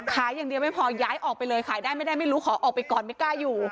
ขายอย่างเดียวไม่พอย้ายออกไปเลยขายได้ไม่ได้ไม่รู้ขอออกไปก่อนไม่กล้าอยู่